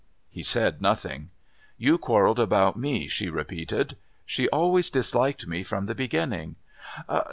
He said nothing. "You quarrelled about me," she repeated. "She always disliked me from the beginning."